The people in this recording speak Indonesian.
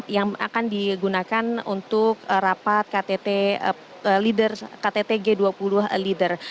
yang akan digunakan untuk rapat ktt g dua puluh leader